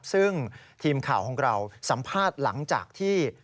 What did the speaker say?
ซึ่งทีมข่าวของเราสัมภาษณ์หลังจากที่